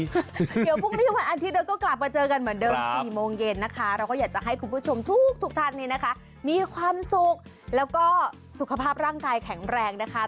เดี๋ยวพรุ่งนี้วันอาทิตย์เราก็กลับมาเจอกันเหมือนเดิม๔โมงเย็นนะคะเราก็อยากจะให้คุณผู้ชมทุกท่านนี้นะคะมีความสุขแล้วก็สุขภาพร่างกายแข็งแรงนะคะ